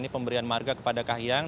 pemberian marga kepada kahyang